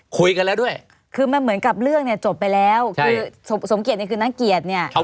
กับหนึ่งคนเนี่ย